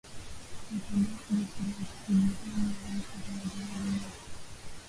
kwa upande wake jeshi la kujihami ya nchi za magharibi neto